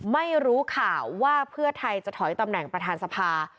ไม่รู้ข่าวว่าเพื่อไทยจะถอยตำแหน่งประธานสภา